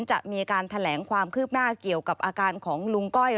จะมีการแถลงความคืบหน้าเกี่ยวกับอาการของลุงก้อย